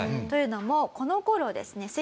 というのもこの頃ですね